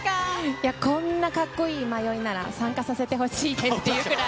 いや、こんなかっこいい迷いなら、参加させてほしいですっていうぐらい。